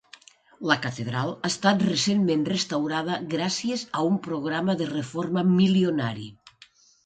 La catedral ha estat recentment restaurada gràcies a un programa de reforma milionari.